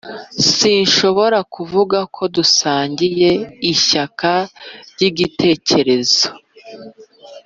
sinshobora kuvuga ko dusangiye ishyaka ryigitekerezo.